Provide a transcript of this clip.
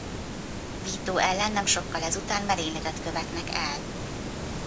Vito ellen nem sokkal ezután merényletet követnek el.